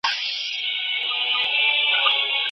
که پوهه نه وي ټولنه تیاره پاتې کیږي.